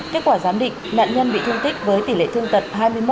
kết quả giám định nạn nhân bị thương tích với tỷ lệ thương tật hai mươi một